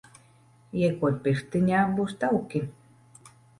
Iekod pirkstiņā, būs tauki.